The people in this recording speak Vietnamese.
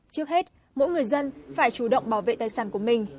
trước hết mỗi người dân phải chủ động bảo vệ tài sản của mình